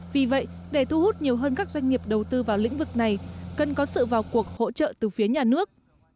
vì vậy để thu hút nhiều hơn các doanh nghiệp đầu tư vào lĩnh vực này cần có sự vào cuộc hỗ trợ từ phía nhà nước